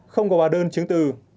không có ba đơn chứng từ